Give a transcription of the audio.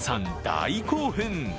大興奮。